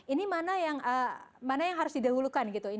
ini mana yang harus didahulukan gitu